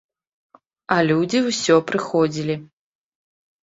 А людзі ўсё прыходзілі.